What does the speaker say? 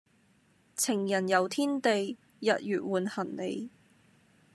情人遊天地日月換行李